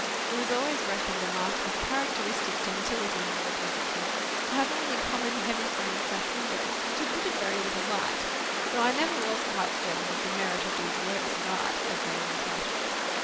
It was always reckoned a mark of characteristic gentility in the repository, to have only common heavy framed sash windows, which admitted very little light, so I never was quite certain of the merit of these Works of Art as they were entitled.